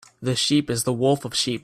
The sheep is the wolf of sheep.